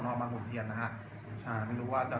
แต่ว่าเมืองนี้ก็ไม่เหมือนกับเมืองอื่น